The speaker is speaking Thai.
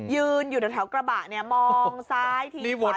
ยืนอยู่แถวกระบะเนี่ยมองซ้ายทีขวา